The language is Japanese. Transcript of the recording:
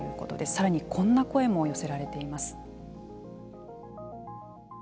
さらにこんな声も寄せられています。